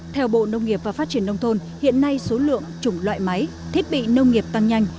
theo bộ nông nghiệp và phát triển nông thôn hiện nay số lượng chủng loại máy thiết bị nông nghiệp tăng nhanh